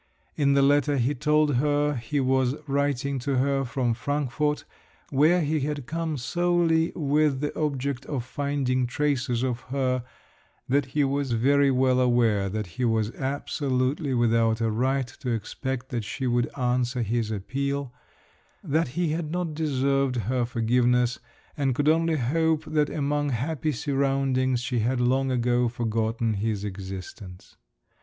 In the letter he told her he was writing to her from Frankfort, where he had come solely with the object of finding traces of her, that he was very well aware that he was absolutely without a right to expect that she would answer his appeal; that he had not deserved her forgiveness, and could only hope that among happy surroundings she had long ago forgotten his existence.